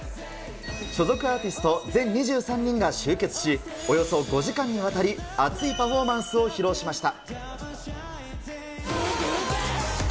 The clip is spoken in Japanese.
所属アーティスト全２３人が集結し、およそ５時間にわたり、熱いパフォーマンスを披露しました。